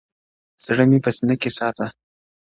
ه زړه مي په سينه كي ساته”